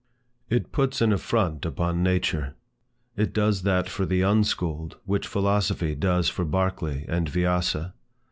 It puts an affront upon nature. It does that for the unschooled, which philosophy does for Berkeley and Viasa.